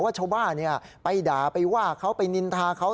ชาวบ้านไปด่าไปว่าเขาไปนินทาเขา